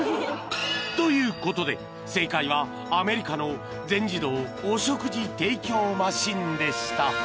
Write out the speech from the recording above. ［ということで正解はアメリカの全自動お食事提供マシンでした］